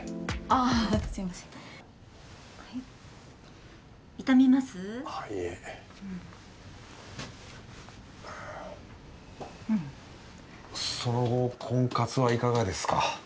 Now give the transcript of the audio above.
あっいえうんその後婚活はいかがですか？